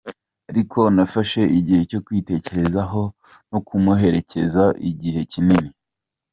Ariko nafashe igihe cyo kwitekerezaho no kumuherekeza igihe kinini.